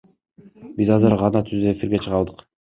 Биз азыр гана түз эфирге чыга алдык.